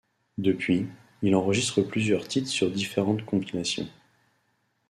Depuis, il enregistre plusieurs titres sur différentes compilations.